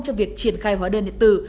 trong việc triển khai hóa đơn điện tử